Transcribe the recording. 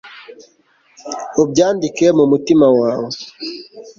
ubyandike mu mutima wawe